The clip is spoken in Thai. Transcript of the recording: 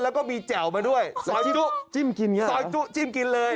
แล้วก็มีแจ่วมาด้วยซอยจุจิ้มกินเลย